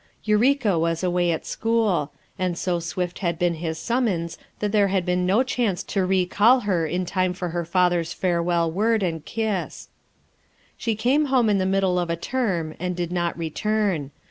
Eureka was away at school; and so swift had been his summons that there had been no chance to recall her in time for her father's farewell word and kiss. She came home in the middle of a term and did not return.